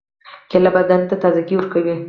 کېله بدن ته تازګي ورکوي.